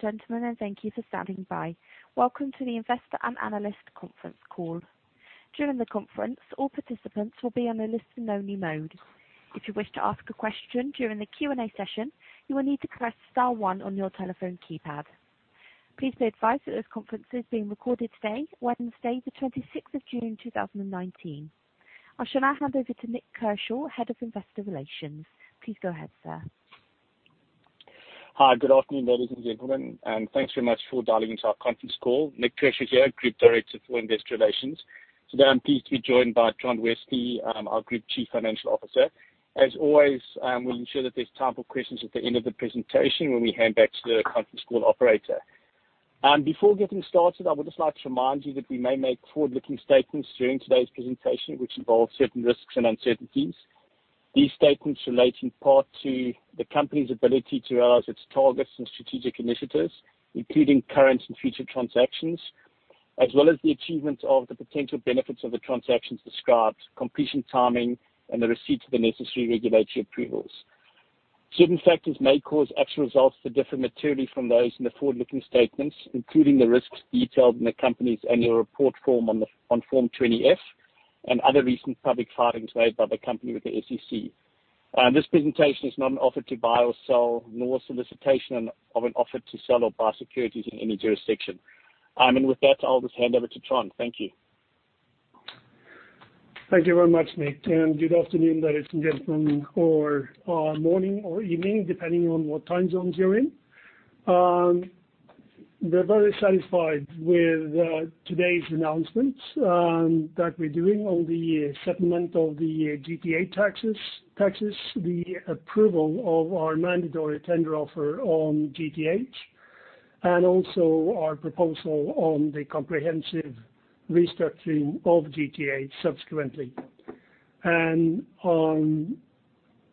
Gentlemen, thank you for standing by. Welcome to the Investor and Analyst Conference Call. During the conference, all participants will be on a listen-only mode. If you wish to ask a question during the Q&A session, you will need to press star one on your telephone keypad. Please be advised that this conference is being recorded today, Wednesday, the 26th of June, 2019. I shall now hand over to Nik Kershaw, Head of Investor Relations. Please go ahead, sir. Hi. Good afternoon, ladies and gentlemen, thanks very much for dialing into our conference call. Nik Kershaw here, Group Director for Investor Relations. Today, I'm pleased to be joined by Trond Westlie, our Group Chief Financial Officer. As always, we'll ensure that there's time for questions at the end of the presentation when we hand back to the conference call operator. Before getting started, I would just like to remind you that we may make forward-looking statements during today's presentation, which involve certain risks and uncertainties. These statements relate in part to the company's ability to realize its targets and strategic initiatives, including current and future transactions, as well as the achievements of the potential benefits of the transactions described, completion timing, and the receipt of the necessary regulatory approvals. Certain factors may cause actual results to differ materially from those in the forward-looking statements, including the risks detailed in the company's annual report form on Form 20-F and other recent public filings made by the company with the SEC. This presentation is not an offer to buy or sell, nor a solicitation of an offer to sell or buy securities in any jurisdiction. With that, I'll just hand over to Trond. Thank you. Thank you very much, Nik, good afternoon, ladies and gentlemen, or morning, or evening, depending on what time zones you're in. We're very satisfied with today's announcements that we're doing on the settlement of the GTH taxes, the approval of our mandatory tender offer on GTH, and also our proposal on the comprehensive restructuring of GTH subsequently.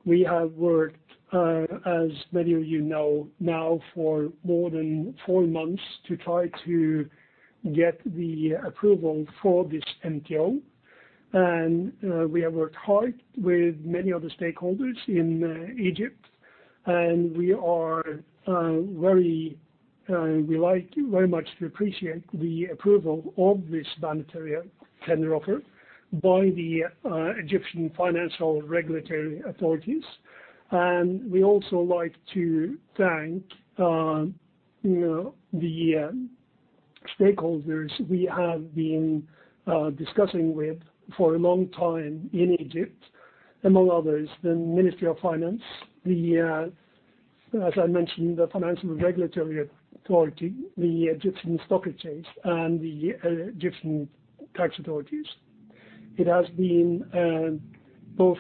We have worked, as many of you know now, for more than four months to try to get the approval for this MTO. We have worked hard with many of the stakeholders in Egypt, and we like very much to appreciate the approval of this voluntary tender offer by the Egyptian Financial Regulatory Authorities. We also like to thank the stakeholders we have been discussing with for a long time in Egypt, among others, the Ministry of Finance, as I mentioned, the Financial Regulatory Authority, the Egyptian Exchange, and the Egyptian Tax Authorities. It has been both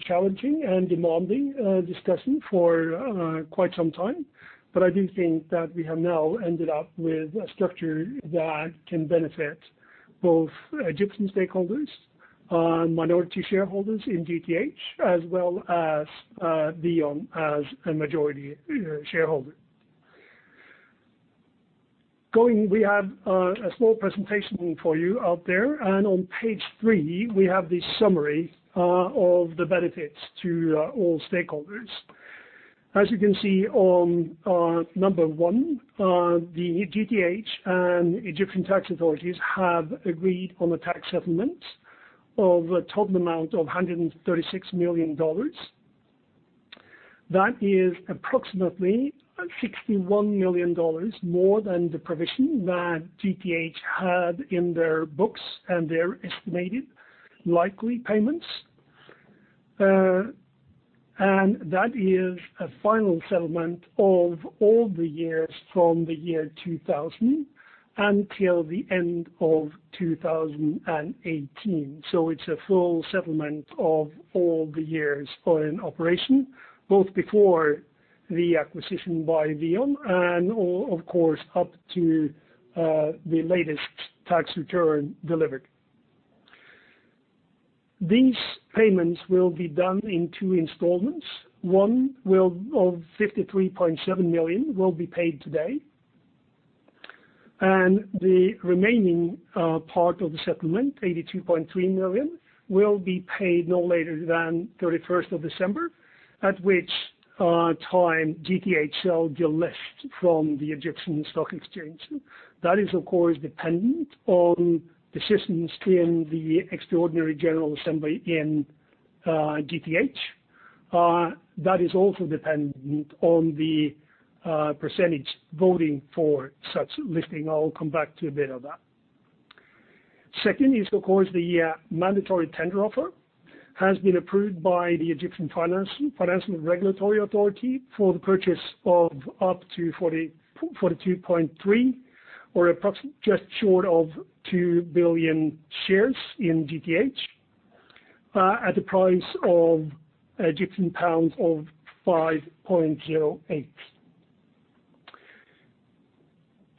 challenging and demanding discussion for quite some time, but I do think that we have now ended up with a structure that can benefit both Egyptian stakeholders, minority shareholders in GTH, as well as VEON as a majority shareholder. We have a small presentation for you out there, on page three, we have the summary of the benefits to all stakeholders. As you can see on number 1, the GTH and Egyptian Tax Authorities have agreed on a tax settlement of a total amount of $136 million. That is approximately $61 million more than the provision that GTH had in their books and their estimated likely payments. That is a final settlement of all the years from the year 2000 until the end of 2018. It's a full settlement of all the years in operation, both before the acquisition by VEON and of course up to the latest tax return delivered. These payments will be done in two installments. One of $53.7 million will be paid today, and the remaining part of the settlement, $82.3 million, will be paid no later than 31st of December, at which time GTH shall delist from the Egyptian Exchange. That is, of course, dependent on decisions in the Extraordinary General Assembly in GTH. That is also dependent on the percentage voting for such listing. I will come back to a bit of that. Second is, of course, the mandatory tender offer has been approved by the Egyptian Financial Regulatory Authority for the purchase of up to 42.3 or just short of 2 billion shares in GTH at the price of 5.08 Egyptian pounds.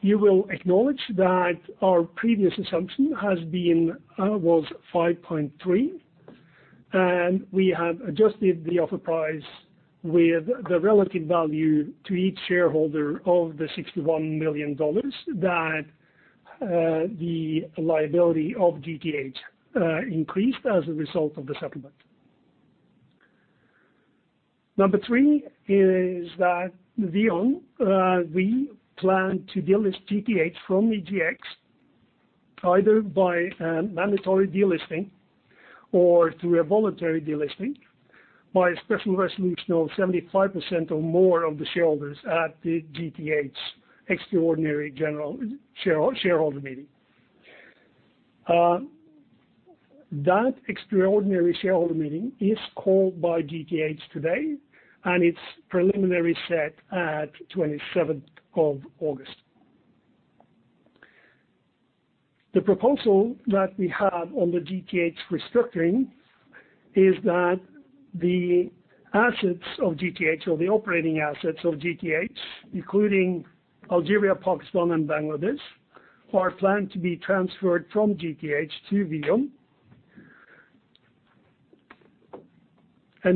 You will acknowledge that our previous assumption was 5.3. We have adjusted the offer price with the relative value to each shareholder of the $61 million that the liability of GTH increased as a result of the settlement. Number 3 is that VEON, we plan to delist GTH from EGX, either by mandatory delisting or through a voluntary delisting by a special resolution of 75% or more of the shareholders at the GTH Extraordinary General Shareholder Meeting. That Extraordinary General Shareholder Meeting is called by GTH today, and it's preliminary set at 27th of August. The proposal that we have on the GTH restructuring is that the assets of GTH or the operating assets of GTH, including Algeria, Pakistan, and Bangladesh, are planned to be transferred from GTH to VEON.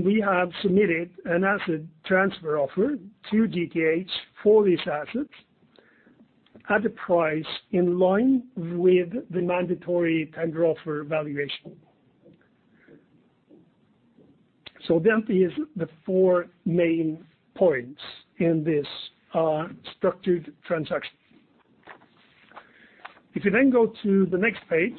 We have submitted an asset transfer offer to GTH for these assets at a price in line with the mandatory tender offer valuation. Them is the four main points in this structured transaction. If you then go to the next page,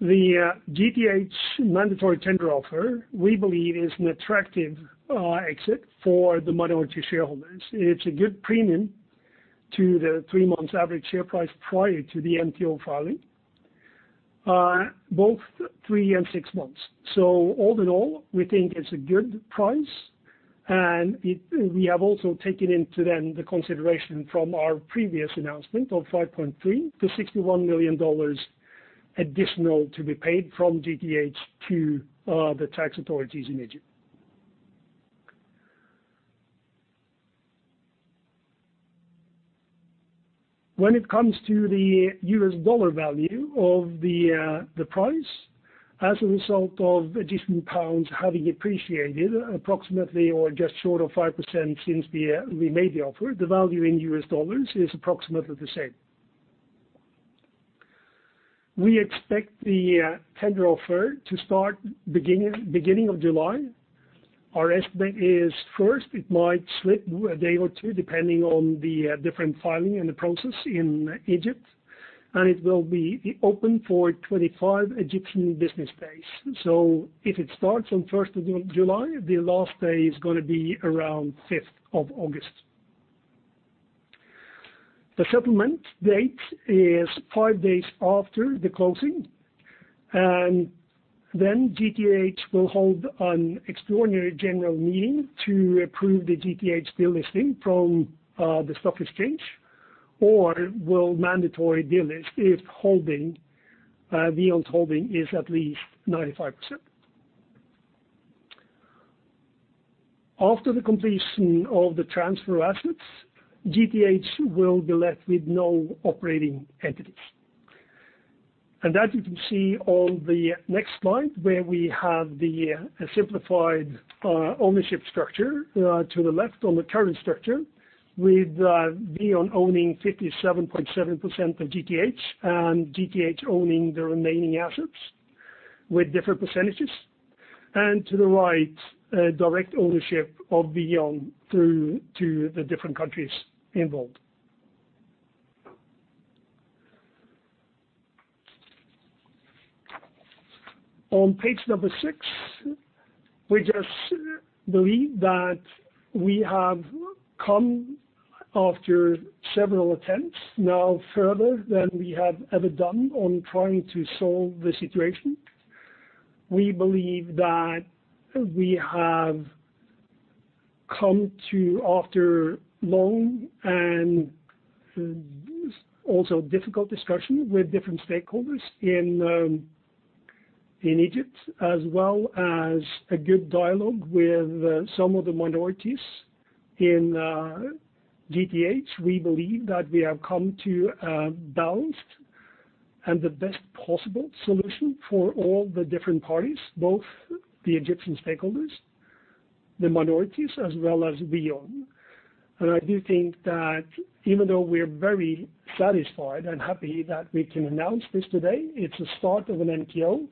the GTH mandatory tender offer, we believe is an attractive exit for the minority shareholders. It's a good premium to the three months average share price prior to the MTO filing, both three and six months. All in all, we think it's a good price, and we have also taken into then the consideration from our previous announcement of $5.3 to $61 million additional to be paid from GTH to the Egyptian Tax Authority in Egypt. When it comes to the U.S. dollar value of the price as a result of Egyptian pounds having appreciated approximately or just short of 5% since we made the offer, the value in U.S. dollars is approximately the same. We expect the tender offer to start beginning of July. Our estimate is first it might slip a day or two depending on the different filing and the process in Egypt, and it will be open for 25 Egyptian business days. If it starts on the 1st of July, the last day is going to be around 5th of August. The settlement date is five days after the closing, and GTH will hold an Extraordinary General Meeting to approve the GTH delisting from The Egyptian Exchange or will mandatory delist if VEON's holding is at least 95%. After the completion of the transfer assets, GTH will be left with no operating entities. That you can see on the next slide where we have the simplified ownership structure to the left on the current structure with VEON owning 57.7% of GTH and GTH owning the remaining assets with different percentages. To the right, direct ownership of VEON through to the different countries involved. On page number six, we just believe that we have come after several attempts now further than we have ever done on trying to solve the situation. We believe that we have come to, after long and also difficult discussion with different stakeholders in Egypt, as well as a good dialogue with some of the minorities in GTH, we believe that we have come to a balanced and the best possible solution for all the different parties, both the Egyptian stakeholders, the minorities, as well as VEON. I do think that even though we're very satisfied and happy that we can announce this today, it's a start of an MTO.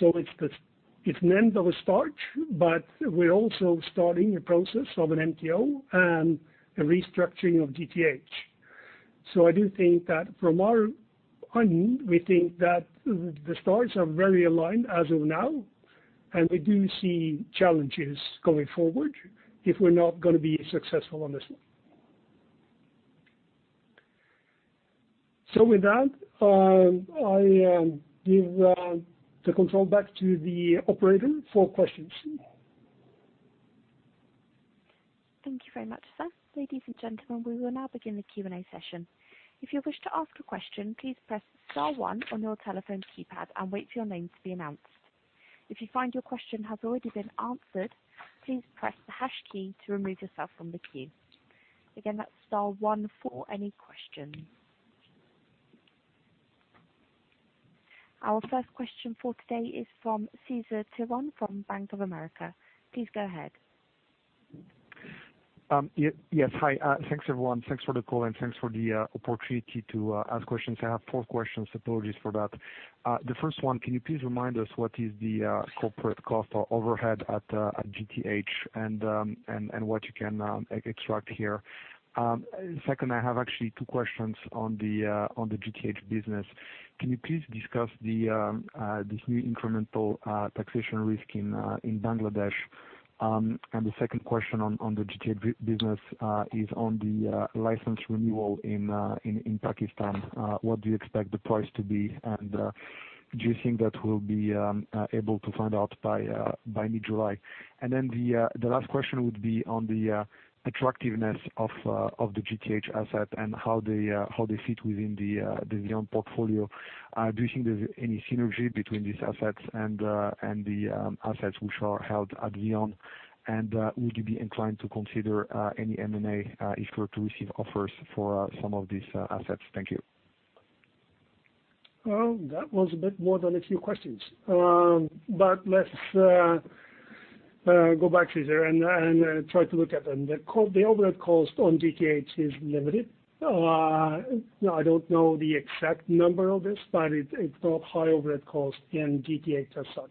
It's an end of a start, but we're also starting a process of an MTO and a restructuring of GTH. I do think that from our end, we think that the stars are very aligned as of now, and we do see challenges going forward if we're not going to be successful on this one. With that, I give the control back to the operator for questions. Thank you very much, sir. Ladies and gentlemen, we will now begin the Q&A session. If you wish to ask a question, please press star one on your telephone keypad and wait for your name to be announced. If you find your question has already been answered, please press the hash key to remove yourself from the queue. Again, that's star one for any questions. Our first question for today is from Cesar Tiron from Bank of America. Please go ahead. Yes. Hi. Thanks, everyone. Thanks for the call and thanks for the opportunity to ask questions. I have four questions, apologies for that. The first one, can you please remind us what is the corporate cost or overhead at GTH and what you can extract here? Second, I have actually two questions on the GTH business. Can you please discuss this new incremental taxation risk in Bangladesh? The second question on the GTH business is on the license renewal in Pakistan. What do you expect the price to be, and do you think that we'll be able to find out by mid-July? The last question would be on the attractiveness of the GTH asset and how they sit within the VEON portfolio. Do you think there's any synergy between these assets and the assets which are held at VEON? Would you be inclined to consider any M&A if you were to receive offers for some of these assets? Thank you. Well, that was a bit more than a few questions. Let's go back, Cesar, and try to look at them. The overhead cost on GTH is limited. I don't know the exact number of this, but it's not high overhead cost in GTH as such.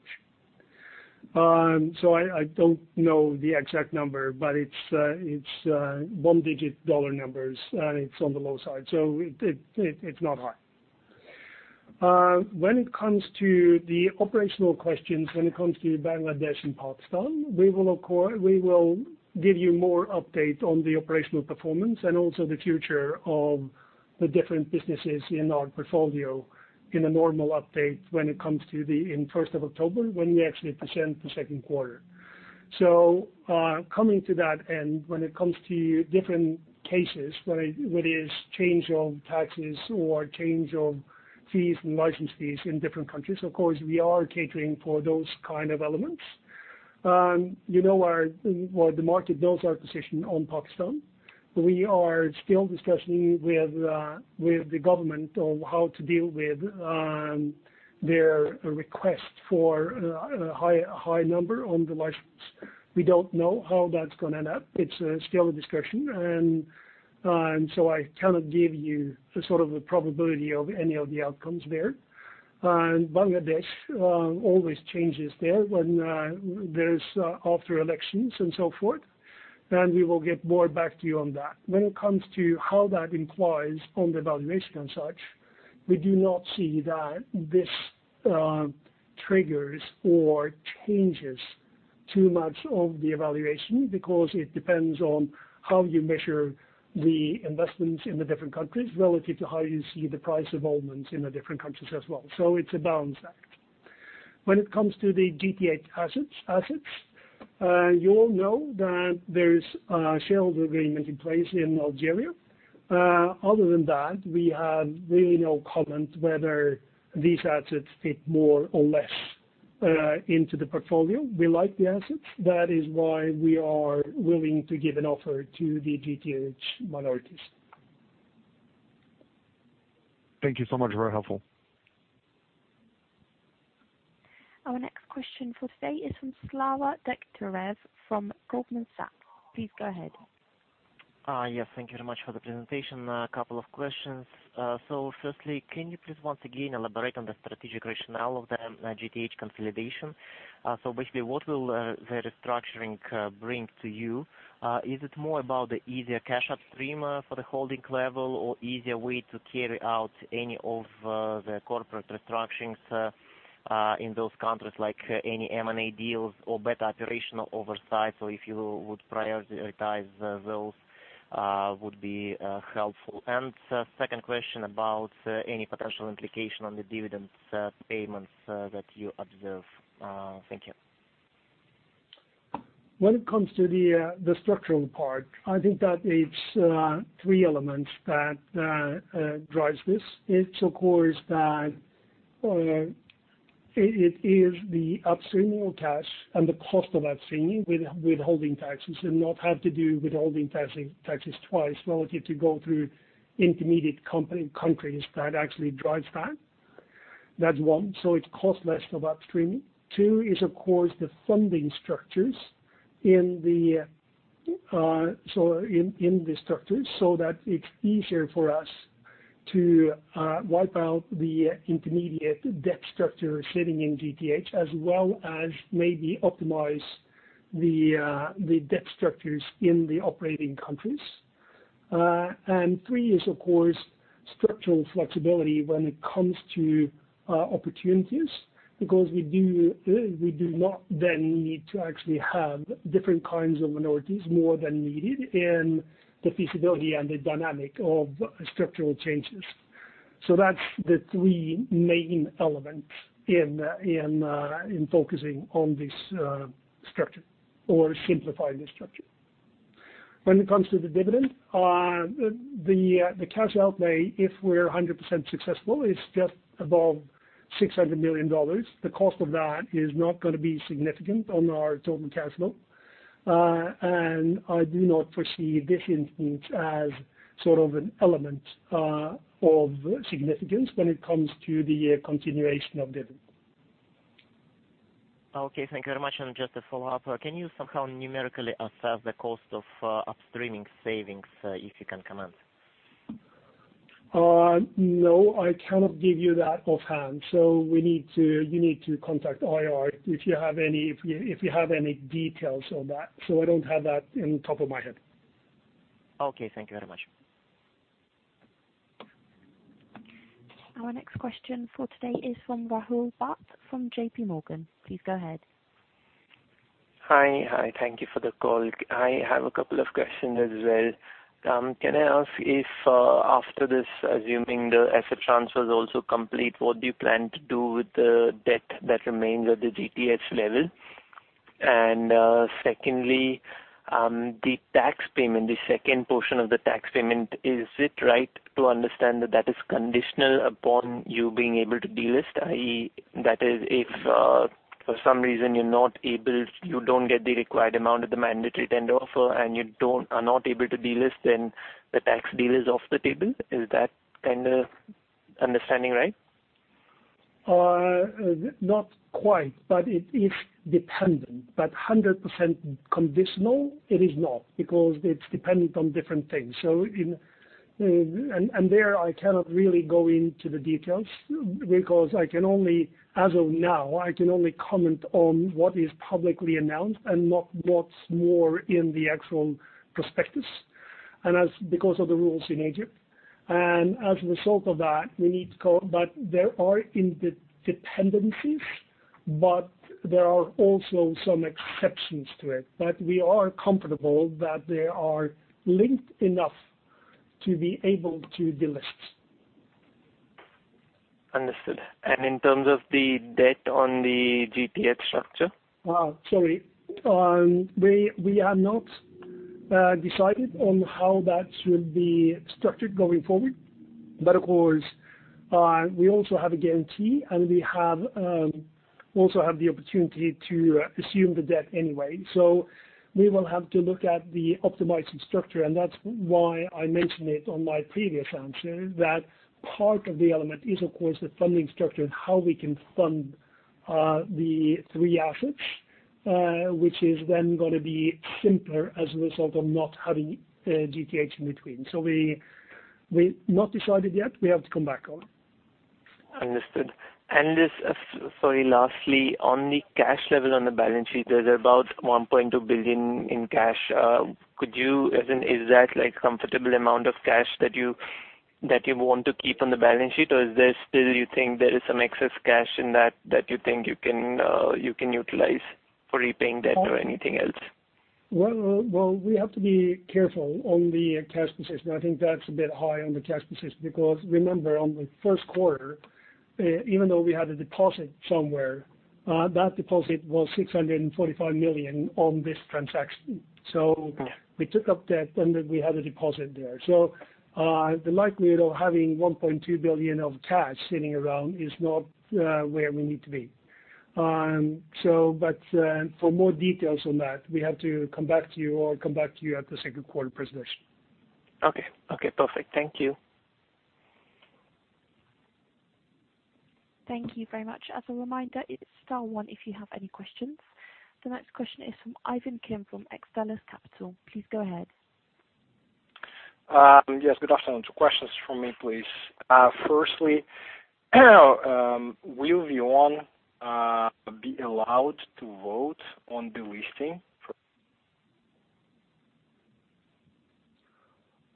I don't know the exact number, but it's one-digit dollar numbers, and it's on the low side. It's not high. When it comes to the operational questions, when it comes to Bangladesh and Pakistan, we will give you more update on the operational performance and also the future of the different businesses in our portfolio in a normal update when it comes to the end 1st of October, when we actually present the second quarter. Coming to that end, when it comes to different cases, whether it is change of taxes or change of fees and license fees in different countries, of course, we are catering for those kind of elements. You know the market knows our position on Pakistan. We are still discussing with the government on how to deal with their request for a high number on the license. We don't know how that's going to end up. It's still a discussion, so I cannot give you the sort of a probability of any of the outcomes there. Bangladesh always changes there after elections and so forth, and we will get more back to you on that. When it comes to how that implies on the valuation and such, we do not see that this triggers or changes too much of the evaluation because it depends on how you measure the investments in the different countries relative to how you see the price evolvement in the different countries as well. It's a balance act. When it comes to the GTH assets, you all know that there is a shareholder agreement in place in Algeria. Other than that, we have really no comment whether these assets fit more or less into the portfolio. We like the assets. That is why we are willing to give an offer to the GTH minorities. Thank you so much. Very helpful. Our next question for today is from Vyacheslav Degtyarev from Goldman Sachs. Please go ahead. Yes. Thank you very much for the presentation. A couple of questions. Firstly, can you please once again elaborate on the strategic rationale of the GTH consolidation? Basically, what will the restructuring bring to you? Is it more about the easier cash upstream for the holding level, or easier way to carry out any of the corporate restructurings in those countries, like any M&A deals or better operational oversight? If you would prioritize those would be helpful. Second question about any potential implication on the dividends payments that you observe. Thank you. When it comes to the structural part, I think that it's three elements that drives this. It's of course that it is the upstreaming of cash and the cost of upstreaming with holding taxes and not have to do with holding taxes twice relative to go through intermediate countries that actually drives that. That's one. It costs less for upstreaming. Two is, of course, the funding structures in the structures so that it's easier for us to wipe out the intermediate debt structure sitting in GTH, as well as maybe optimize the debt structures in the operating countries. Three is, of course, structural flexibility when it comes to opportunities, because we do not then need to actually have different kinds of minorities more than needed in the feasibility and the dynamic of structural changes. That's the three main elements in focusing on this structure or simplifying the structure. When it comes to the dividend, the cash outlay, if we're 100% successful, is just above $600 million. The cost of that is not going to be significant on our total cash flow. I do not foresee this instance as sort of an element of significance when it comes to the continuation of dividend. Okay, thank you very much. Just a follow-up, can you somehow numerically assess the cost of upstreaming savings, if you can comment? No, I cannot give you that offhand. You need to contact IR if you have any details on that. I don't have that in the top of my head. Okay. Thank you very much. Our next question for today is from Rahul Bhatt from JPMorgan. Please go ahead. Hi. Hi. Thank you for the call. I have a couple of questions as well. Can I ask if, after this, assuming the asset transfer is also complete, what do you plan to do with the debt that remains at the GTH level? Secondly, the tax payment, the second portion of the tax payment, is it right to understand that that is conditional upon you being able to delist? That is, if for some reason you don't get the required amount of the mandatory tender offer and you are not able to delist, then the tax deal is off the table. Is that kind of understanding right? Not quite, but it is dependent. 100% conditional it is not, because it's dependent on different things. There I cannot really go into the details because as of now, I can only comment on what is publicly announced and not what's more in the actual prospectus, and as because of the rules in Egypt. As a result of that, we need to go. There are dependencies, but there are also some exceptions to it. We are comfortable that they are linked enough to be able to delist. Understood. In terms of the debt on the GTH structure? Sorry. We have not decided on how that should be structured going forward. Of course, we also have a guarantee, and we also have the opportunity to assume the debt anyway. We will have to look at the optimizing structure, and that's why I mentioned it on my previous answer, that part of the element is, of course, the funding structure and how we can fund the three assets, which is then going to be simpler as a result of not having GTH in between. We not decided yet. We have to come back on. Understood. Just, sorry, lastly, on the cash level on the balance sheet, there's about $1.2 billion in cash. Is that comfortable amount of cash that you want to keep on the balance sheet, or you think there is some excess cash in that that you think you can utilize for repaying debt or anything else? Well, we have to be careful on the cash position. I think that's a bit high on the cash position because remember on the first quarter, even though we had a deposit somewhere, that deposit was $645 million on this transaction. We took up debt, and then we had a deposit there. The likelihood of having $1.2 billion of cash sitting around is not where we need to be. For more details on that, we have to come back to you or come back to you at the second quarter presentation. Okay. Okay, perfect. Thank you. Thank you very much. As a reminder, it's star one if you have any questions. The next question is from Ivan Kim from Xtellus Capital. Please go ahead. Yes, good afternoon. Two questions from me, please. Firstly, will VEON be allowed to vote on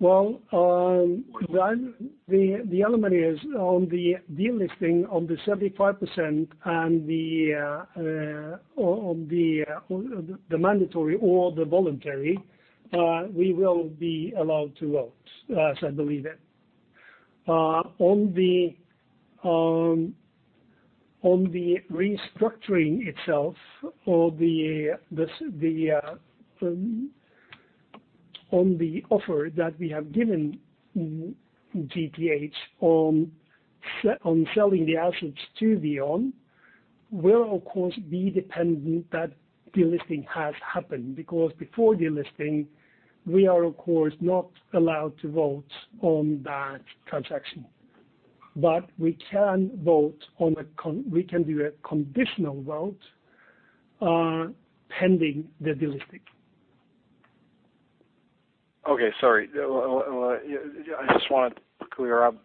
delisting? The element is on the delisting on the 75% and on the mandatory or the voluntary, we will be allowed to vote, as I believe it. On the restructuring itself or on the offer that we have given GTH on selling the assets to VEON will of course be dependent that delisting has happened, because before delisting, we are of course not allowed to vote on that transaction. We can do a conditional vote pending the delisting. Okay, sorry. I just want to clear up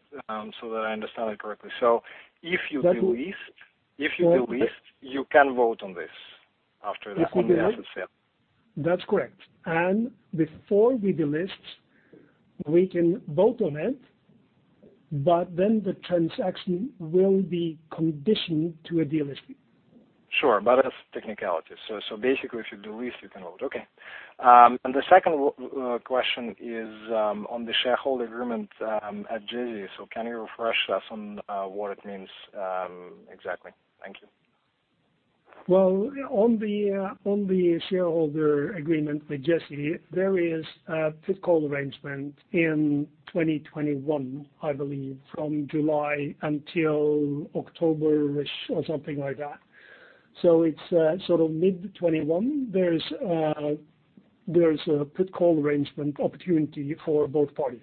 so that I understand it correctly. If you delist. That's- If you delist, you can vote on this after that on the asset sale. If we delist. That's correct. Before we delist, we can vote on it, but then the transaction will be conditioned to a delisting. Sure. That's technicality. Basically, if you delist, you can vote. Okay. The second question is on the shareholder agreement at Jazz. Can you refresh us on what it means exactly? Thank you. Well, on the shareholder agreement with Jazz, there is a put call arrangement in 2021, I believe, from July until October-ish or something like that. It's sort of mid 2021, there's a put call arrangement opportunity for both parties.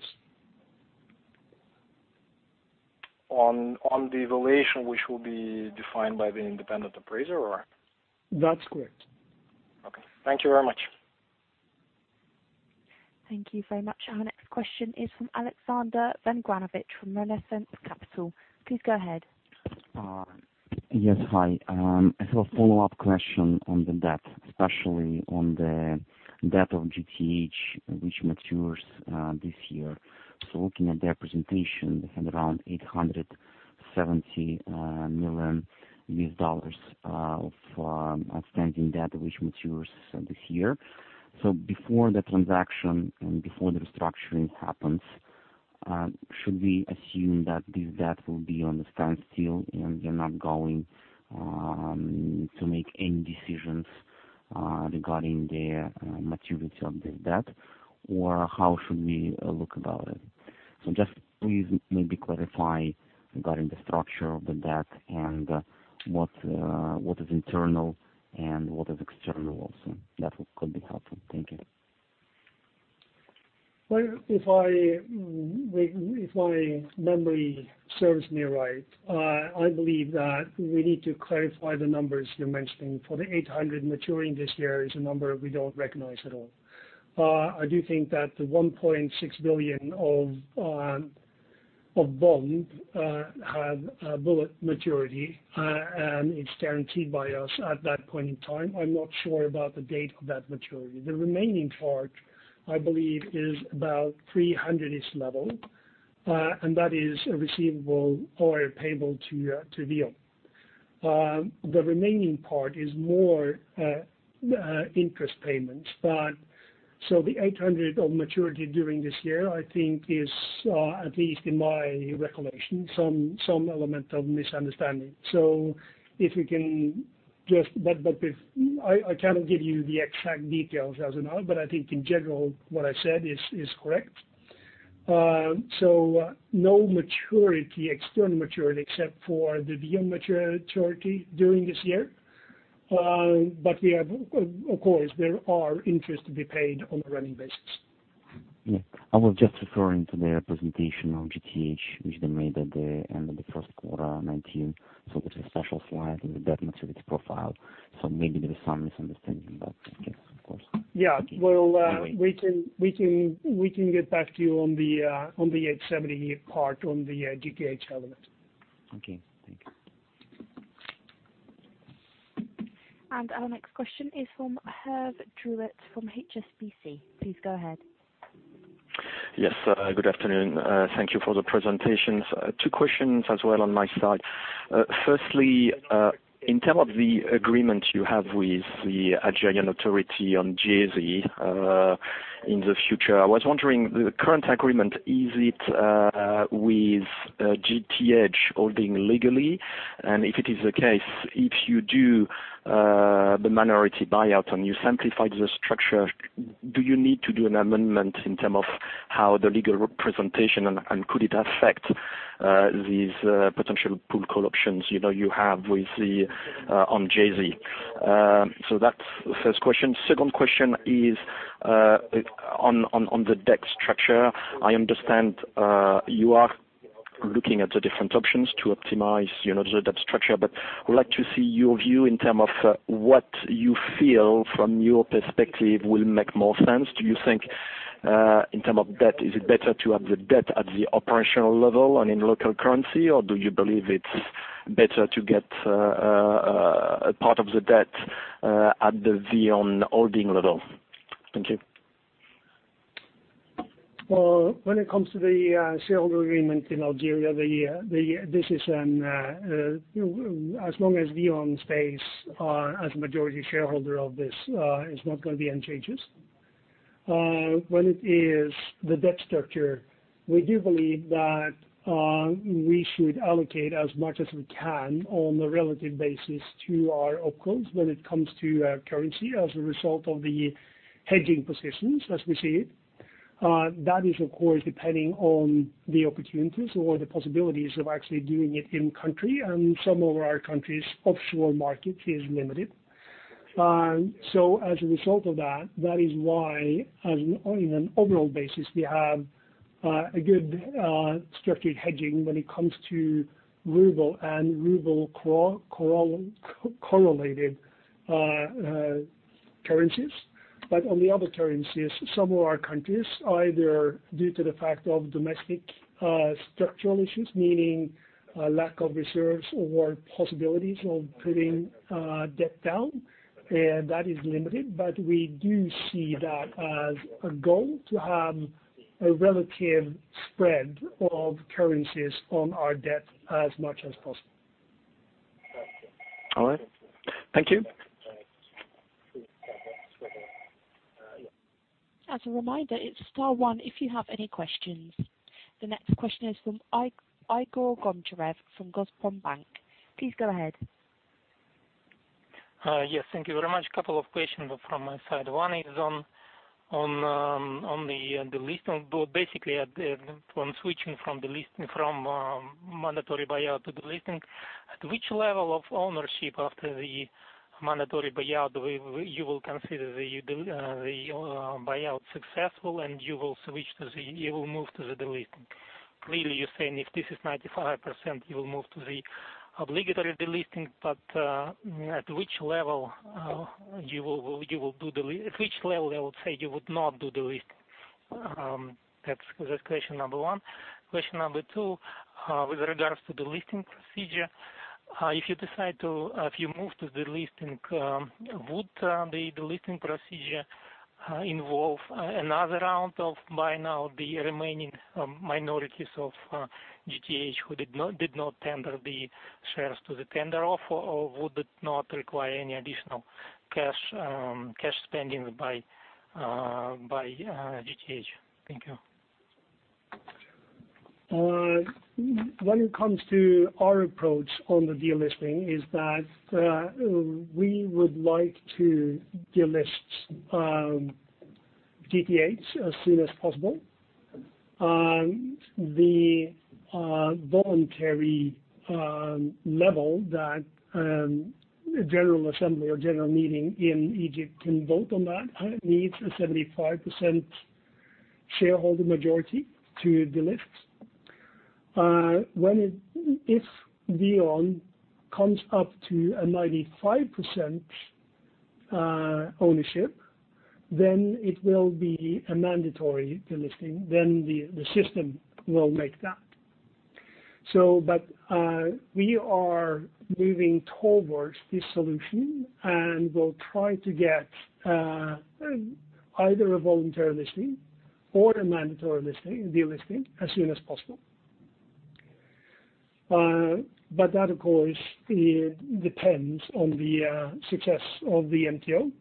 On the valuation which will be defined by the independent appraiser or? That's correct. Okay. Thank you very much. Thank you very much. Our next question is from Alexander Vengranovich from Renaissance Capital. Please go ahead. Yes, hi. I have a follow-up question on the debt, especially on the debt of GTH, which matures this year. Looking at their presentation, they have around $870 million of outstanding debt, which matures this year. Before the transaction and before the restructuring happens, should we assume that this debt will be on the standstill and they're not going to make any decisions regarding their maturity of this debt? Or how should we look about it? Just please maybe clarify regarding the structure of the debt and what is internal and what is external also. That could be helpful. Thank you. Well, if my memory serves me right, I believe that we need to clarify the numbers you're mentioning, for the $800 maturing this year is a number we don't recognize at all. I do think that the $1.6 billion of bond have a bullet maturity, and it's guaranteed by us at that point in time. I'm not sure about the date of that maturity. The remaining part, I believe, is about $300-ish level, and that is a receivable or payable to VEON. The remaining part is more interest payments. The $800 of maturity during this year, I think is, at least in my recollection, some element of misunderstanding. I cannot give you the exact details as of now, but I think in general what I said is correct. No maturity, external maturity, except for the VEON maturity during this year. Of course, there are interest to be paid on a running basis. Yeah. I was just referring to their presentation on GTH, which they made at the end of the first quarter 2019. There's a special slide of the debt maturity profile. Maybe there is some misunderstanding, but okay, of course. Yeah. Anyway We can get back to you on the $870 part on the GTH element. Okay, thank you. Our next question is from Herve Drouet from HSBC. Please go ahead. Yes, good afternoon. Thank you for the presentations. Two questions as well on my side. Firstly, in terms of the agreement you have with the Algerian authority on Djezzy in the future, I was wondering, the current agreement, is it with GTH holding legally? If it is the case, if you do the minority buyout and you simplify the structure, do you need to do an amendment in terms of how the legal representation and could it affect these potential put call arrangement you have on Djezzy? That's the first question. Second question is on the debt structure. I understand you are looking at the different options to optimize the debt structure, but I would like to see your view in terms of what you feel from your perspective will make more sense. Do you think, in terms of debt, is it better to have the debt at the operational level and in local currency or do you believe it's better to get a part of the debt at the VEON holding level? Thank you. Well, when it comes to the shareholder agreement in Algeria, as long as VEON stays as a majority shareholder of this, it's not going to be any changes. When it is the debt structure, we do believe that we should allocate as much as we can on a relative basis to our opcos when it comes to currency as a result of the hedging positions as we see it. That is, of course, depending on the opportunities or the possibilities of actually doing it in country and some of our countries offshore market is limited. As a result of that is why on an overall basis, we have a good structured hedging when it comes to ruble and ruble correlated currencies. On the other currencies, some of our countries, either due to the fact of domestic structural issues, meaning lack of reserves or possibilities of putting debt down, that is limited. We do see that as a goal to have a relative spread of currencies on our debt as much as possible. All right. Thank you. As a reminder, it's star one if you have any questions. The next question is from Igor Goncharov from Gazprombank. Please go ahead. Yes, thank you very much. Couple of questions from my side. One is on the listing board, basically on switching from mandatory buyout to the listing. At which level of ownership after the mandatory buyout you will consider the buyout successful and you will move to the delisting? Clearly, you're saying if this is 95%, you will move to the obligatory delisting, at which level I would say you would not do delisting? That's question number one. Question number two, with regards to delisting procedure, if you move to delisting, would the delisting procedure involve another round of buying out the remaining minorities of GTH who did not tender the shares to the tender offer, or would it not require any additional cash spending by GTH? Thank you. When it comes to our approach on the delisting is that we would like to delist GTH as soon as possible. The voluntary level that general assembly or general meeting in Egypt can vote on that needs a 75% shareholder majority to delist. If VEON comes up to a 95% ownership, it will be a mandatory delisting, the system will make that. We are moving towards this solution, and we'll try to get either a voluntary listing or a mandatory delisting as soon as possible. That, of course, depends on the success of the MTO.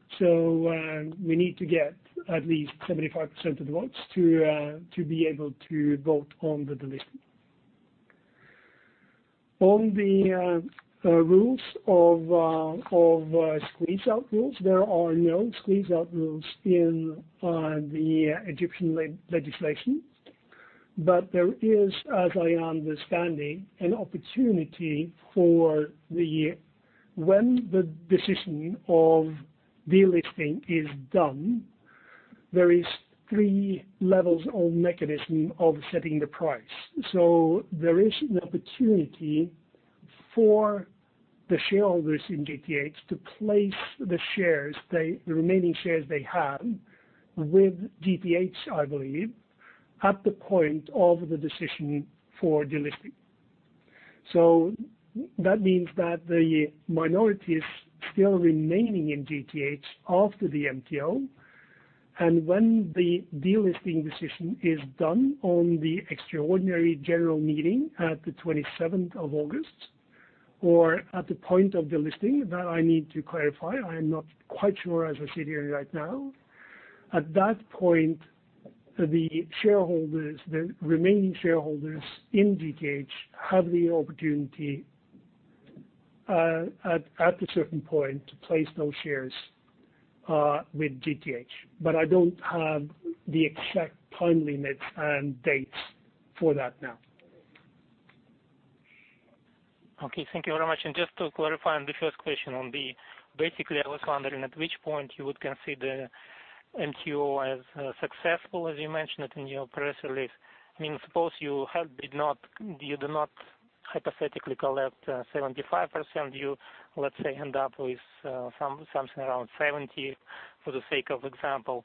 We need to get at least 75% of the votes to be able to vote on the delisting. On the rules of squeeze-out rules, there are no squeeze-out rules in the Egyptian legislation, but there is, as I understand, an opportunity for when the decision of delisting is done, there is 3 levels or mechanism of setting the price. There is an opportunity for the shareholders in GTH to place the remaining shares they have with GTH, I believe, at the point of the decision for delisting. That means that the minorities still remaining in GTH after the MTO, and when the delisting decision is done on the Extraordinary General Meeting at the 27th of August or at the point of delisting, that I need to clarify, I am not quite sure as I sit here right now. At that point, the remaining shareholders in GTH have the opportunity at a certain point to place those shares with GTH. I don't have the exact time limits and dates for that now. Okay. Thank you very much. Just to clarify on the first question on B, basically, I was wondering at which point you would consider MTO as successful, as you mentioned it in your press release. Suppose you do not hypothetically collect 75%, you, let's say, end up with something around 70, for the sake of example.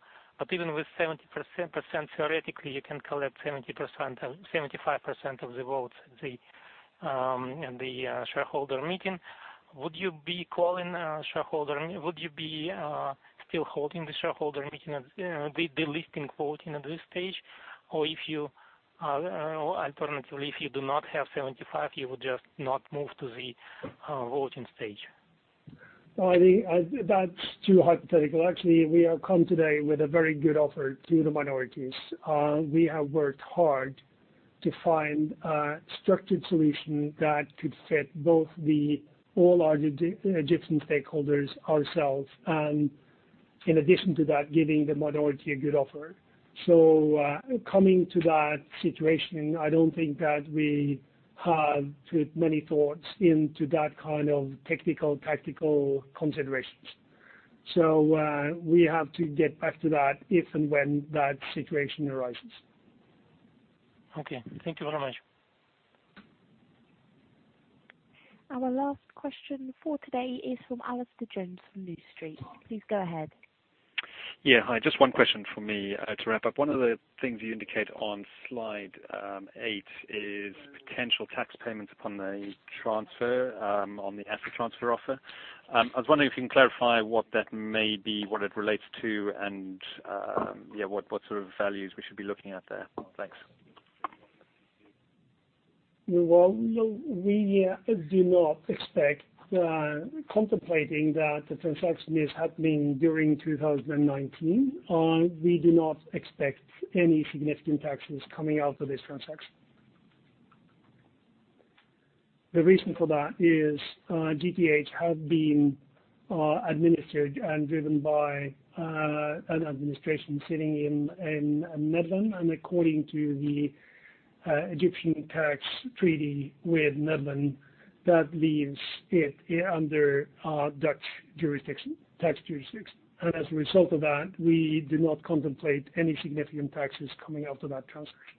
Even with 70%, theoretically, you can collect 75% of the votes in the shareholder meeting. Would you be still holding the shareholder meeting, the delisting voting at this stage? Or alternatively, if you do not have 75, you would just not move to the voting stage? That's too hypothetical. Actually, we have come today with a very good offer to the minorities. We have worked hard to find a structured solution that could fit both the all our Egyptian stakeholders ourselves, and in addition to that, giving the minority a good offer. Coming to that situation, I don't think that we have put many thoughts into that kind of technical, tactical considerations. We have to get back to that if and when that situation arises. Okay. Thank you very much. Our last question for today is from Alistair Jones from New Street. Please go ahead. Yeah, hi. Just one question from me to wrap up. One of the things you indicate on slide eight is potential tax payments upon the transfer on the asset transfer offer. I was wondering if you can clarify what that may be, what it relates to, and what sort of values we should be looking at there. Thanks. Well, we do not expect, contemplating that the transaction is happening during 2019, we do not expect any significant taxes coming out of this transaction. The reason for that is GTH have been administered and driven by an administration sitting in the Netherlands, and according to the Egyptian tax treaty with the Netherlands, that leaves it under Dutch tax jurisdiction. As a result of that, we do not contemplate any significant taxes coming out of that transaction.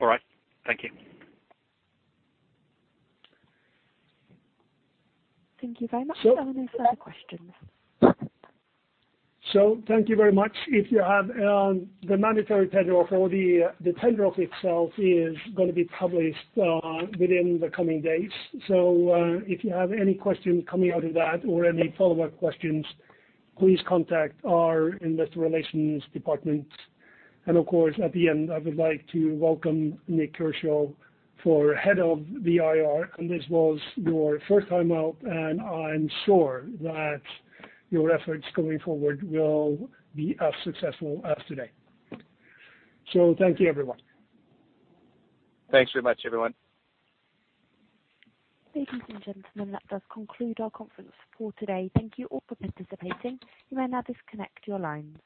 All right. Thank you. Thank you very much. There are no further questions. Thank you very much. The mandatory tender offer or the tender offer itself is going to be published within the coming days. If you have any questions coming out of that or any follow-up questions, please contact our investor relations department. Of course, at the end, I would like to welcome Nik Kershaw for Head of the IR, and this was your first time out, and I'm sure that your efforts going forward will be as successful as today. Thank you, everyone. Thanks very much, everyone. Ladies and gentlemen, that does conclude our conference for today. Thank you all for participating. You may now disconnect your lines.